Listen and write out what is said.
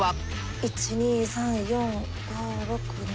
１２３４５６７。